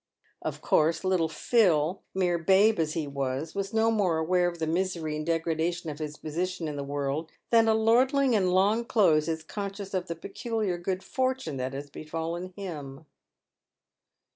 * Of course, little Phil, mere babe as he was, was no more aware of the misery and degradation of his position in the world than a lord ling in long clothes is conscious of the peculiar good fortune that has befallen him.